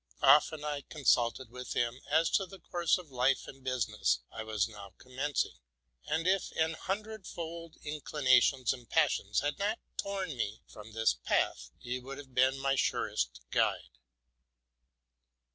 Often I consulted with him as to the course of life and business I was now commencing; and, if an hundred fold inclinations and passions had not torn me from this path, he would have been my surest guide.